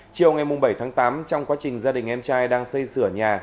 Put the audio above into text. chiều ngày bảy tháng tám trong quá trình gia đình em trai đang xây sửa nhà